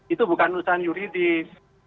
itu bukan urusan yuridik